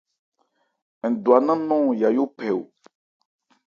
Ndwa nnán nɔn Yayó phɛ o.